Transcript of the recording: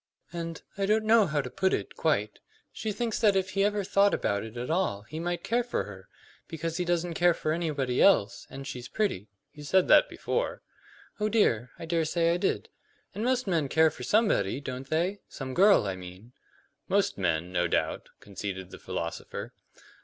"And I don't know how to put it, quite she thinks that if he ever thought about it at all he might care for her; because he doesn't care for anybody else, and she's pretty " "You said that before." "Oh dear, I dare say I did. And most men care for somebody, don't they? Some girl, I mean." "Most men, no doubt," conceded the philosopher.